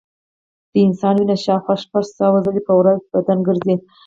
د انسان وینه شاوخوا شپږ سوه ځلې په ورځ بدن ګرځي.